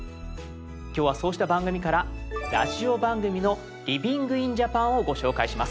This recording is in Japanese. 今日はそうした番組からラジオ番組の「ＬｉｖｉｎｇｉｎＪａｐａｎ」をご紹介します。